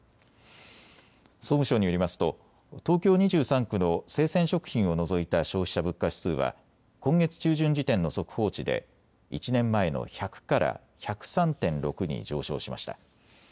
総務省によりますと東京２３区の生鮮食品を除いた消費者物価指数は今月中旬時点の速報値で１年前の１００から１０３．６に上昇しました。